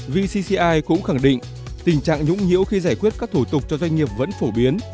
vcci cũng khẳng định tình trạng nhũng nhiễu khi giải quyết các thủ tục cho doanh nghiệp vẫn phổ biến